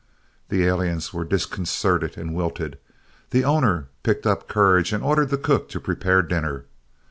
The aliens were disconcerted, and wilted. The owner picked up courage and ordered the cook to prepare dinner.